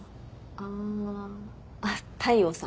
あ大陽さん？